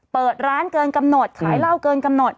เปิดร้านเกินกำหนดขายเหล้าเกินกำหนด